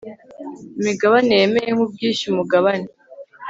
imigabane yemeye nk ubwishyu umugabane